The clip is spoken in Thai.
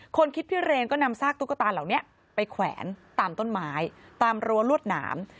คิดพิเรนก็นำซากตุ๊กตาเหล่านี้ไปแขวนตามต้นไม้ตามรั้วลวดหนาม